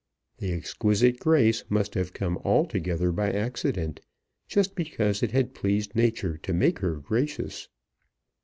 The exquisite grace must have come altogether by accident, just because it had pleased nature to make her gracious!